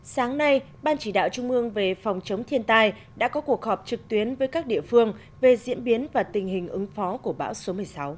sáng nay ban chỉ đạo trung ương về phòng chống thiên tai đã có cuộc họp trực tuyến với các địa phương về diễn biến và tình hình ứng phó của bão số một mươi sáu